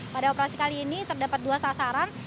pada operasi kali ini terdapat dua sasaran